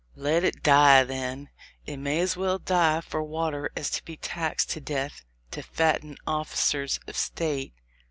"Let it die, then; it may as well die for water^as to be taxed to death to fatten officers of State."